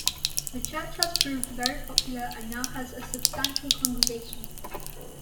The church has proved very popular and now has a substantial congregation.